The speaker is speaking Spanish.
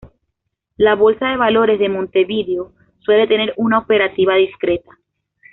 La Bolsa de Valores de Montevideo suele tener una operativa discreta.